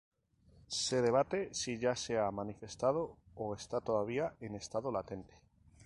Se debate si ya se ha manifestado o está todavía en estado latente.